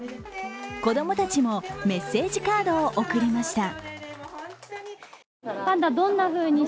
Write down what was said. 子供たちも、メッセージカードを送りました。